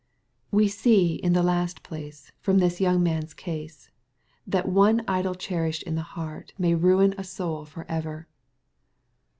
We see in the last place, from this young man's case, that one idol cherished in the heart may ruin a soul for ever.